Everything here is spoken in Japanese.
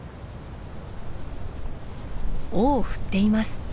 尾を振っています。